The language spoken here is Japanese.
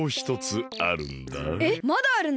えっまだあるの？